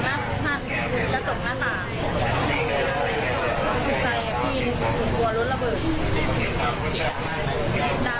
แต่รถกระโดดออกถึงห้ามหนูจะสกหน้าสาว